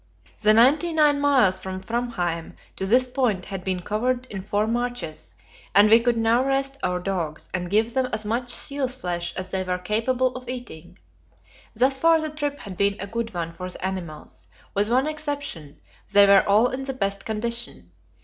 The ninety nine miles from Framheim to this point had been covered in four marches, and we could now rest our dogs, and give them as much seal's flesh as they were capable of eating. Thus far the trip had been a good one for the animals; with one exception, they were all in the best condition.